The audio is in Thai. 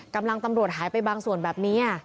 กำลังตำรวจหายไปบางส่วนแบบนี้อะ